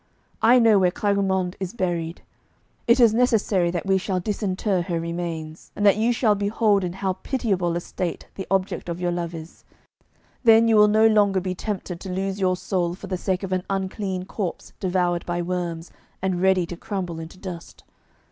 I know where Clarimonde is buried. It is necessary that we shall disinter her remains, and that you shall behold in how pitiable a state the object of your love is. Then you will no longer be tempted to lose your soul for the sake of an unclean corpse devoured by worms, and ready to crumble into dust.